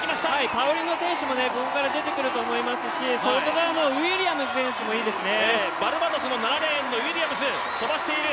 パウリノ選手もここからでてくると思いますし、外側のウィリアムズ選手もいいですね。